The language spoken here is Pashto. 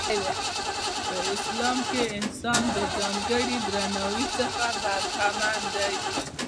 په اسلام کې انسان ځانګړي درناوي څخه برخمن دی.